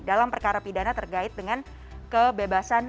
dalam perkara pidana terkait dengan kebebasan